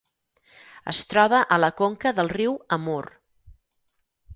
Es troba a la conca del riu Amur.